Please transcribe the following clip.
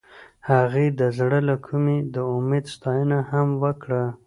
هغې د زړه له کومې د امید ستاینه هم وکړه.